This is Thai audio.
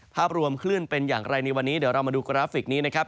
ภาพรวมคลื่นเป็นอย่างไรในวันนี้เดี๋ยวเรามาดูกราฟิกนี้นะครับ